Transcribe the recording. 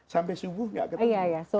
sampai subuh nggak ketemu